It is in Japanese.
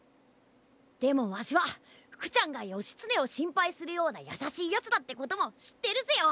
でもワシはフクちゃんが義経をしんぱいするようなやさしいやつだってこともしってるぜよ！